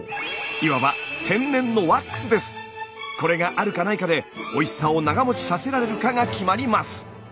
いわばこれがあるかないかでおいしさを長もちさせられるかが決まります。